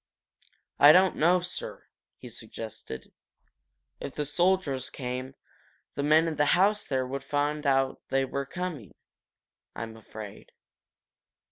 "I don't know, sir," he suggested. "If the soldiers came, the men in the house there would find out they were coming, I'm afraid.